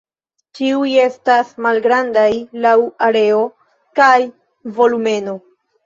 Ĉiuj estas malgrandaj laŭ areo kaj volumeno.